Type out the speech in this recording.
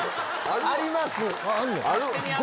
あります！